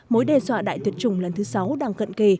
mối đe dọa đại tuyệt chủng lần thứ sáu đang cận kề